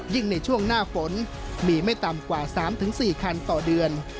ในช่วงหน้าฝนมีไม่ต่ำกว่า๓๔คันต่อเดือน